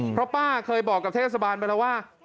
เพราะป้าเคยบอกกับเทศบาลไปแล้วว่า